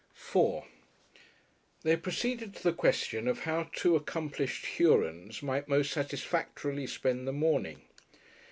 §4 They proceeded to the question of how two accomplished Hurons might most satisfactorily spend the morning.